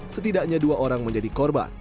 setidaknya dua orang menjadi korban